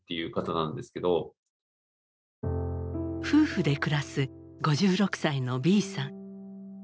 夫婦で暮らす５６歳のＢさん。